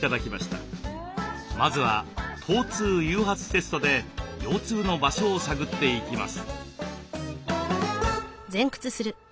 まずは疼痛誘発テストで腰痛の場所を探っていきます。